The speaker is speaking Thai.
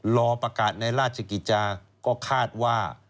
รอประกาศในราชกิจจาก็คาดว่า